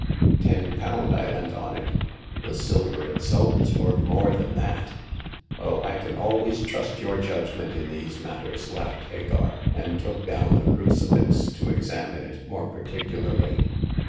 Ten pound I lent on it ; the silver itself is worth more than that !" "Oh, I can always trust your judgment in no Hagar of the Pawn Shop, these matters," laughed Hagar, and took down the crucifix to examine it more particularly.